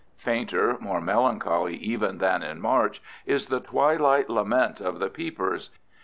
Fainter, more melancholy even than in March, is the twilight lament of the peepers.